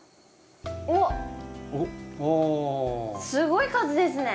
おっすごい数ですね。